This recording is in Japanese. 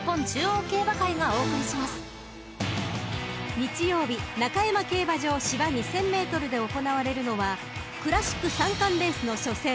［日曜日中山競馬場芝２，０００ｍで行われるのはクラシック３冠レースの初戦